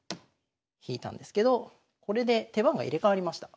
引いたんですけどこれで手番が入れ代わりました。